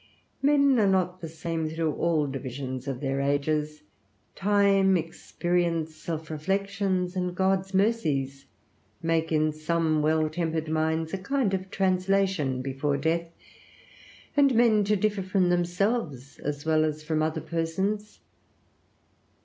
Men are not the same through all divisions of their ages: time, experience, self reflections, and God's mercies, make in some well tempered minds a kind of translation before death, and men to differ from themselves as well as from other persons.